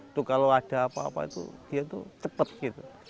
itu kalau ada apa apa itu dia itu cepat gitu